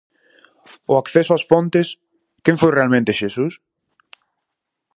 O acceso ás fontes: quen foi realmente Xesús?